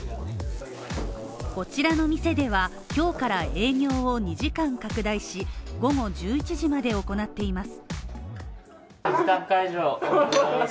こちらの店では今日から営業を２時間拡大し午後１１時まで行っています。